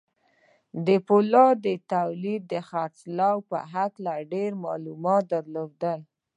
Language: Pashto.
د پولادو د توليد او خرڅلاو په هکله ډېر معلومات درلودل.